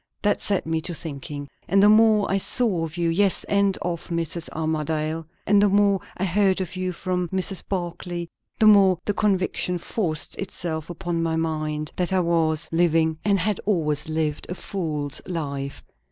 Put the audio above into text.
"That set me to thinking; and the more I saw of you, yes, and of Mrs. Armadale, and the more I heard of you from Mrs. Barclay, the more the conviction forced itself upon my mind, that I was living, and had always lived, a fool's life.